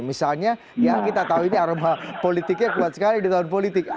misalnya ya kita tahu ini aroma politiknya kuat sekali di tahun politik